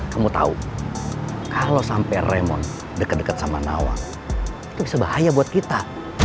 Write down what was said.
kamu tahu kalau sampai raymond deket deket sama nawang itu bisa bahaya buat kita